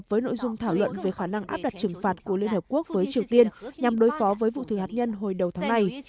với nội dung thảo luận về khả năng áp đặt trừng phạt của liên hợp quốc với triều tiên nhằm đối phó với vụ thử hạt nhân hồi đầu tháng này